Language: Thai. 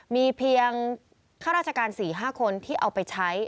มีเพียงข้าราชการ๔๕คนที่เอาไปใช้